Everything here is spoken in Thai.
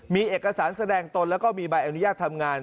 มีเอกสารแสดงตนแล้วก็มีใบอนุญาตทำงาน